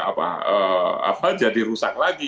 apa jadi rusak lagi